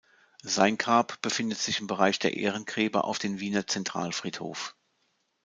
Sein Grab befindet sich im Bereich der Ehrengräber auf den Wiener Zentralfriedhof.